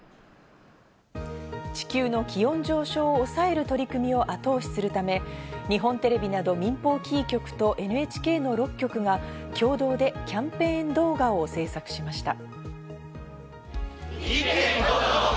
地球の気温上昇を抑える取り組みを後押しするため日本テレビなど民放キー局とＮＨＫの６局が共同でキャンペーン動画を制作しました。